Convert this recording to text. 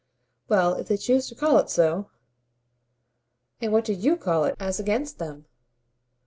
"Well, if they choose to call it so !" "And what do YOU call it as against them?"